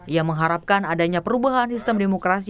ia mengharapkan adanya perubahan sistem demokrasi